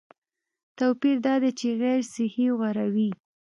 توپیر دا دی چې غیر صحي غوراوي